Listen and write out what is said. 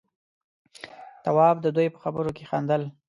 تواب د دوي په خبرو کې خندل.